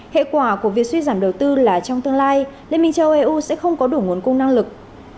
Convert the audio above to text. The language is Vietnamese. hệ quả của việc suy giảm đầu tư là trong tương lai liên minh châu eu sẽ không có đủ nguồn cung năng lực